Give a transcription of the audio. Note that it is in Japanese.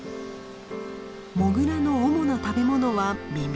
モグラの主な食べ物はミミズ。